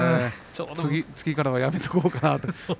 次からはやめておこうかなという。